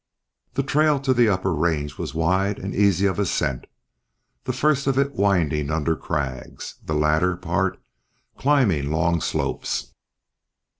The trail to the upper range was wide and easy of ascent, the first of it winding under crags, the latter part climbing long slopes.